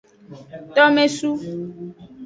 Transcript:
Tomesu.